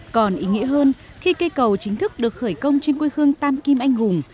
còn ý nghĩa hơn khi cây cầu chính thức được khởi công trên quê hương tam kim anh hùng